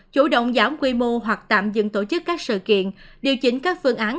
chủ động giảm quy mô hoặc tạm dừng tổ chức các sự kiện điều chỉnh các phương án